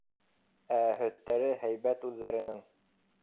Ә һөттәре һәйбәт үҙҙәренең.